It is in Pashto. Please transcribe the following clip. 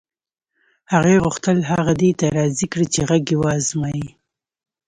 هغې غوښتل هغه دې ته راضي کړي چې غږ یې و ازمایي